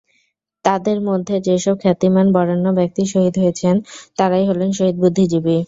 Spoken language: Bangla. তাঁদের মধ্যে যেসব খ্যাতিমান-বরেণ্য ব্যক্তি শহীদ হয়েছেন, তাঁরাই হলেন শহীদ বুদ্ধিজীবী।